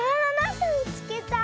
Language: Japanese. すみつけた。